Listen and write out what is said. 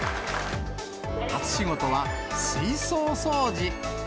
初仕事は水槽掃除。